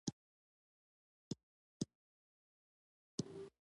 مي لومړی پلا د پلار له خولې واروېدې،